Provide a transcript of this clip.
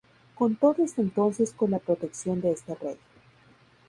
Contó desde entonces con la protección de este rey.